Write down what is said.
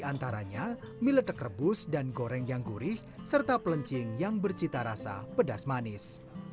antaranya mie letek rebus dan goreng yang gurih serta pelencing yang bercita rasa pedas manis